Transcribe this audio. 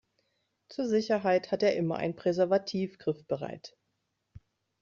Zur Sicherheit hat er immer ein Präservativ griffbereit.